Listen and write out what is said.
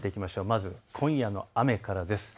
まず今夜の雨からです。